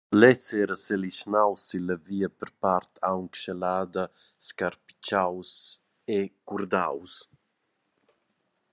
Lez era selischnaus silla via per part aunc schelada, scarpitschaus e curdaus.